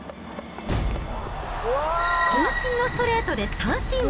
こん身のストレートで三振。